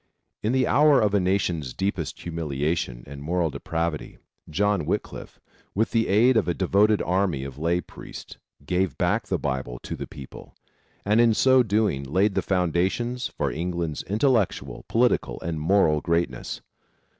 In the hour of a nation's deepest humiliation and moral depravity, John Wycliffe, with the aid of a devoted army of lay priests, gave back the Bible to the people, and in so doing laid the foundations for England's intellectual, political and moral greatness.